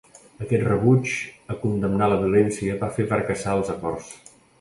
Aquest rebuig a condemnar la violència va fer fracassar els acords.